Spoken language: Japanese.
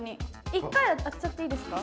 １回で当てちゃっていいですか？